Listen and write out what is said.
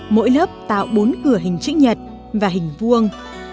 mỗi lớp tạo bốn cửa hình chữ nhật và hình vuông